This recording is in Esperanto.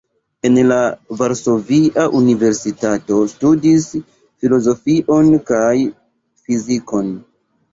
En Varsovia Universitato studis filozofion kaj fizikon.